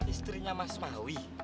istrinya mas maui